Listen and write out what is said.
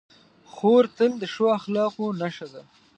خور تل د ښو اخلاقو نښه ده.